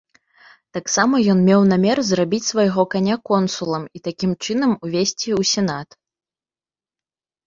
Таксама ён меў намер зрабіць свайго каня консулам і такім чынам увесці ў сенат.